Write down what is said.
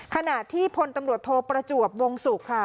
ขณะที่พลตำรวจโทประจวบวงศุกร์ค่ะ